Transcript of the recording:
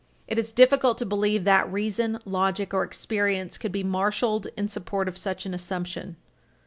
It is difficult to believe that reason, logic, or experience could be marshalled in support of such an assumption.